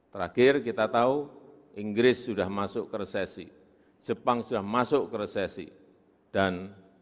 terakhir kita tahu inggris sudah masuk ke resesi jepang sudah masuk ke resesi dan